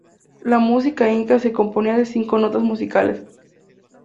La música inca se componía de cinco notas musicales.